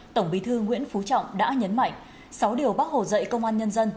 tổng bí thư nguyễn phú trọng đã nhấn mạnh sáu điều bác hồ dạy công an nhân dân